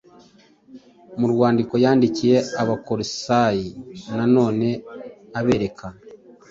Mu rwandiko yandikiye Abakolosayi na none abereka